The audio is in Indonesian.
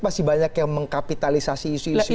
masih banyak yang mengkapitalisasi isu isu